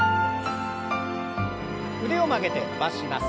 腕を曲げて伸ばします。